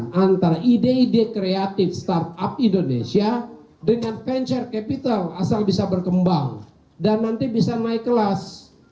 nah antara ide ide kreatif startup indonesia dengan venture capital asal bisa berkembang dan nanti bisa naik kelas